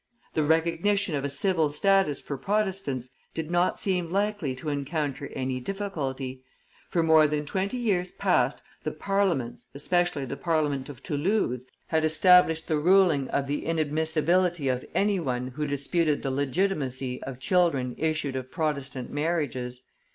The recognition of a civil status for Protestants did not seem likely to encounter any difficulty. For more than twenty years past the parliaments, especially the parliament of Toulouse, had established the ruling of the inadmissibility of any one who disputed the legitimacy of children issue of Protestant marriages.